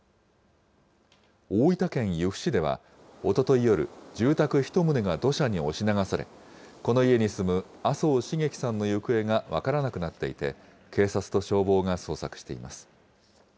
大分県由布市では、おととい夜、住宅１棟が土砂に押し流され、この家に住む麻生繁喜さんの行方が分からなくなっていて、警察と消防が捜索しています。